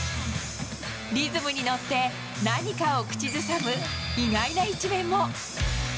リズムに乗って何かを口ずさむ意外な一面も。